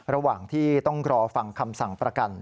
ระหว่างที่ต้องรอฟังคำสั่งประกัน